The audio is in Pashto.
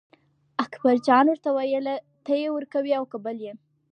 اکبرجان ورته وویل ته یې ورکوې او که بل یې.